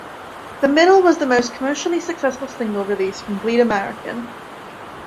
"The Middle" was the most commercially successful single released from "Bleed American".